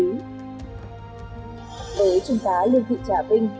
đối với trung tá lương thị trả vinh